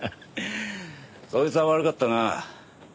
そいつは悪かったな。